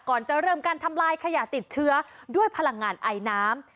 ก่อนจะเริ่มการทำลายขยะติดเชื้อด้วยพลังงานไอน้ำ